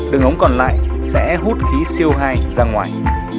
đường ống còn lại sẽ hút khí co hai ra ngoài